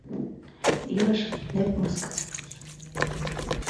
Илышым нэп мыскылен кышаҥден.